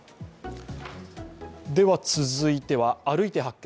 続いては「歩いて発見！